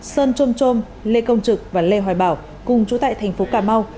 sơn trôm trôm lê công trực và lê hoài bảo cùng chú tại tp cà mau